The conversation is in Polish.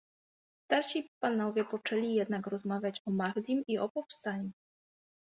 Starsi panowie poczęli jednak rozmawiać o Mahdim i o powstaniu.